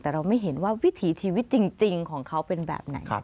แต่เราไม่เห็นว่าวิถีชีวิตจริงของเขาเป็นแบบไหน